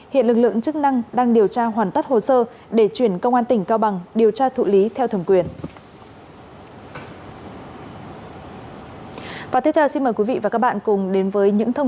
hiện lực lượng chức năng đang điều tra hoàn tất hồ sơ để chuyển công an tỉnh cao bằng điều tra thụ lý theo thẩm quyền